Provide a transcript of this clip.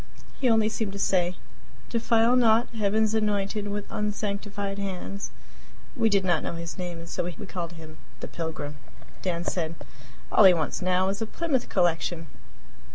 He only seemed to say, "Defile not Heaven's anointed with unsanctified hands." We did not know his name, and so we called him "The Pilgrim." Dan said: "All he wants now is a Plymouth Collection."